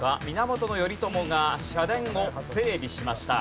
源頼朝が社殿を整備しました。